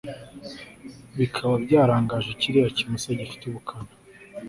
bikaba byarangaje kiriya kimasa gifite ubukana